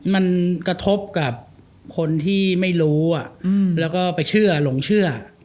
มันกระทบกับคนที่ไม่รู้แล้วก็ไปเชื่อหลงเชื่อ